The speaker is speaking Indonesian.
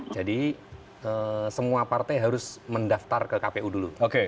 jadi semua partai harus mendaftar ke kpu dulu